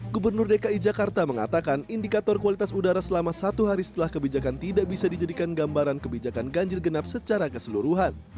gubernur dki jakarta mengatakan indikator kualitas udara selama satu hari setelah kebijakan tidak bisa dijadikan gambaran kebijakan ganjil genap secara keseluruhan